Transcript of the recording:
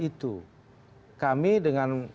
itu kami dengan